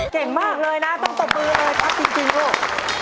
เก่งมากเลยนะต้องตบมือเลยครับจริงลูก